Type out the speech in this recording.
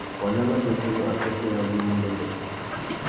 Wanda matê tunu assôtô yabú i mú ndêndêk.